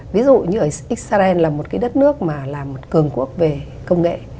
ví dụ như ở israel là một đất nước làm cường quốc về công nghệ